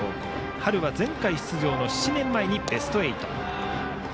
春は前回出場の７年前にベスト８。